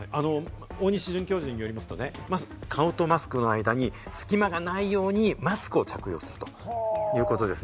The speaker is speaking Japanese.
大西准教授によりますと顔とマスクの間に隙間がないようにマスクを着用するということです。